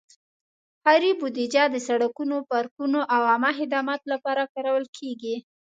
ښاري بودیجه د سړکونو، پارکونو، او عامه خدماتو لپاره کارول کېږي.